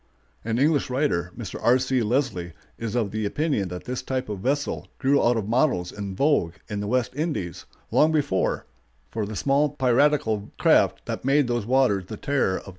An English writer, Mr. R. C. Leslie, is of the opinion that this type of vessel grew out of models in vogue in the West Indies, long before, for the small piratical craft that made those waters the terror of travelers.